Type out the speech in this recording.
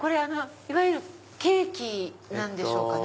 いわゆるケーキでしょうかね？